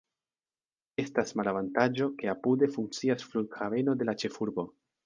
Estas malavantaĝo, ke apude funkcias flughaveno de la ĉefurbo.